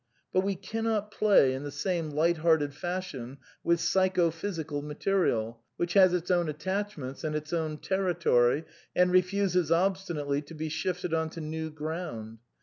But we cannot play in the SOME QUESTIONS OF METAPHYSICS 123 same light hearted fashion with psychophysical material, which has its own attachments and its own territory, and refuses obstinately to be shifted on to new ground.